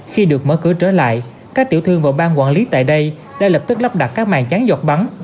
khi được mở cửa trở lại các tiểu thương và bang quản lý tại đây đã lập tức lắp đặt các màn tráng giọt bắn